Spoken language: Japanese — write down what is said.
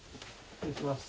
失礼します。